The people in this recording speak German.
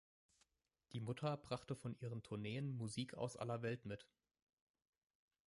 Die Mutter brachte von ihren Tourneen Musik aus aller Welt mit.